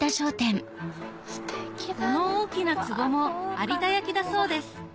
この大きな壺も有田焼だそうです